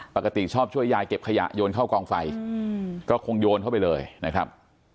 ชอบช่วยยายเก็บขยะโยนเข้ากองไฟก็คงโยนเข้าไปเลยนะครับ